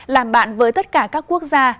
làm bạn với tất cả các quốc gia